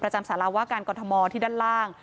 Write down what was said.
จำสารว่าการกรทมที่ด้านล่าง